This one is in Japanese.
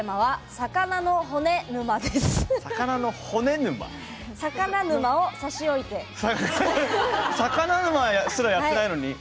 魚沼すらやってないのに。